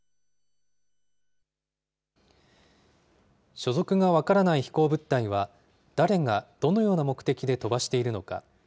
所属が分からない飛行物体は、誰がどのような目的で飛ばしているのか。